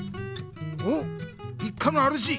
おっ一家のあるじ！